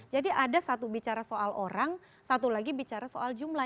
jadi ada satu bicara soal orang satu lagi bicara soal jumlah